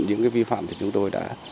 những cái vi phạm thì chúng tôi đã